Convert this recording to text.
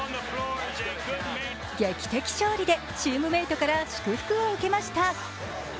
劇的勝利でチームメイトから祝福を受けました。